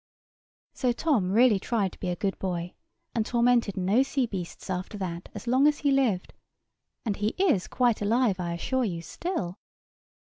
So Tom really tried to be a good boy, and tormented no sea beasts after that as long as he lived; and he is quite alive, I assure you, still.